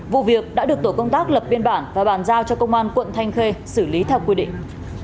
vụ việc đã được tổ công tác lập biên bản và bàn giao cho công an quận thanh khê xử lý theo quy định